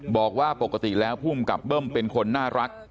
บอกว่าปกติแล้วภูมิกับเบิ้มเป็นคนน่ารัก